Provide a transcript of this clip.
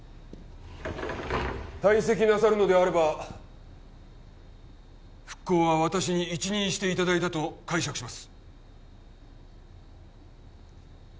退席なさるのであれば復興は私に一任していただいたと解釈します